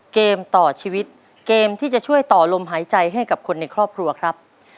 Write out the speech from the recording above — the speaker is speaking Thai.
เกมต่อชีวิตเกมที่จะช่วยต่อลมหายใจให้กับคนในครอบครัวครับ